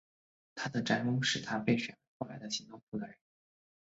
他的战功使他被选为后来的行动的负责人。